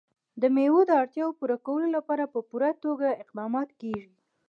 د مېوو د اړتیاوو پوره کولو لپاره په پوره توګه اقدامات کېږي.